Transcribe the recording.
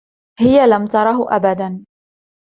هى لم ترهُ أبداً.